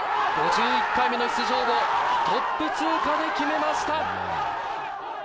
５１回目の出場をトップ通過で決めました。